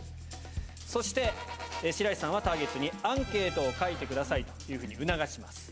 そして、白石さんは、ターゲットにアンケートを書いてくださいというふうに促します。